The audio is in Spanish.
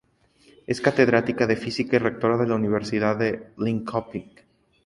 Es catedrática de Física y rectora de la Universidad de Linköping.